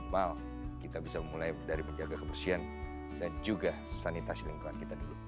mil kita bisa mulai dari menjaga kebersihan dan juga sanitasi lingkungan kita dulu